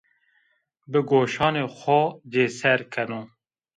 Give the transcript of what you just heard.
Bi goşanê xo cêser keno